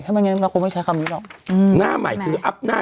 ถ้าไม่งั้นเราคงไม่ใช้คำนี้หรอกอืมหน้าใหม่คืออัพหน้า